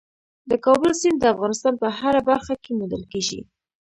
د کابل سیند د افغانستان په هره برخه کې موندل کېږي.